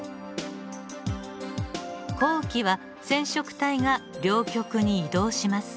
後期は染色体が両極に移動します。